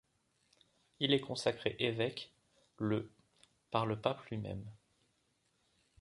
Il est consacré évêque le par le pape lui-même.